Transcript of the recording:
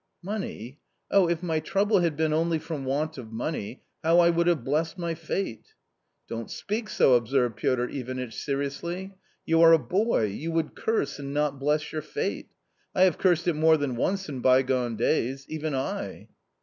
" Money ! oh, if my trouble had been only from want of money, how I would have blessed my fate !"" Don't speak so," observed Piotr Ivanitch seriously ; "you are a boy — you would curse and not bless your fate ! I have cursed it more than once in bygone days — even I